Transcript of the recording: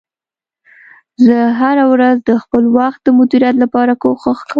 زه هره ورځ د خپل وخت د مدیریت لپاره کوښښ کوم